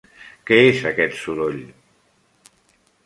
Què és aquest soroll?